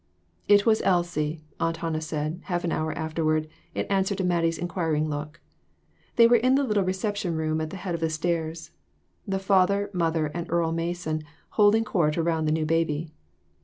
"It was Elsie," Aunt Hannah said, half an hour afterward, in answer to Mattie's inquiring look. They were in the little reception room at the head of the stairs father, mother and Earle Mason holding court around the new baby.